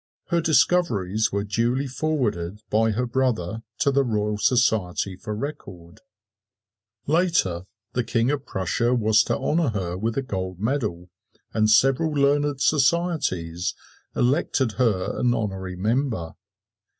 Her discoveries were duly forwarded by her brother to the Royal Society for record. Later, the King of Prussia was to honor her with a gold medal, and several learned societies elected her an honorary member.